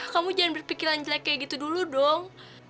kamu jangan berpikiran jelek kayak gitu dulu dong